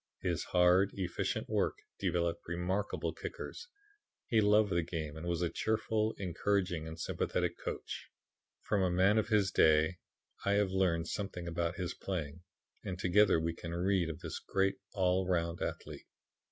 His hard, efficient work developed remarkable kickers. He loved the game and was a cheerful, encouraging and sympathetic coach. From a man of his day I have learned something about his playing, and together we can read of this great all round athlete.